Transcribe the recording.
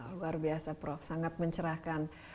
luar biasa prof sangat mencerahkan